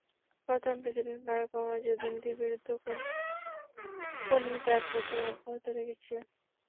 বর্তমান president Barack ওবামার যুদ্ধনীতির বিরুদ্ধেও কোনি তাঁর প্রচার অব্যাহত রেখেছিলেন।